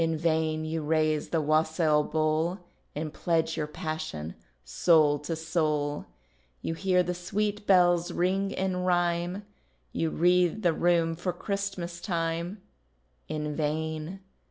In vain you raise the wassail bowl, And pledge your passion, soul to soul. You hear the sweet bells ring in rhyme, You wreath the room for Christmas time In vain.